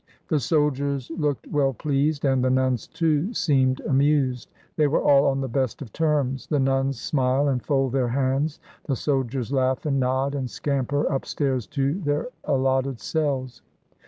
The soldiers looked well pleased, and the nuns, too, seemed amused. They were all on the best of terms. The nuns smile and fold their hands, the soldiers laugh and nod and scamper up stairs to their allotted cells.